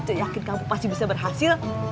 itu yakin kamu pasti bisa berhasil